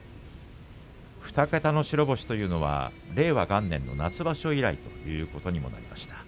２桁の白星は令和元年の夏場所以来ということになります。